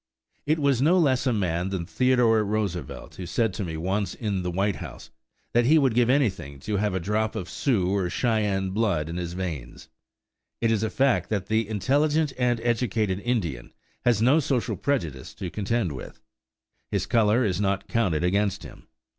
It was no less a man than Theodore Roosevelt who said to me once in the White House that he would give anything to have a drop of Sioux or Cheyenne blood in his veins. It is a fact that the intelligent and educated Indian has no social prejudice to contend with. His color is not counted against him.